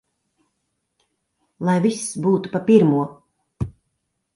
Lai viss būtu pa pirmo!